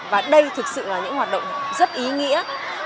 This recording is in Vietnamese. và đây thực sự là những hoạt động rất ý nghĩa